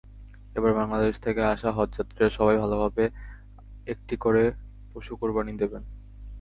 এবার বাংলাদেশ থেকে আসা হজযাত্রীরা সবাই আলাদাভাবে একটি করে পশু কোরবানি দেবেন।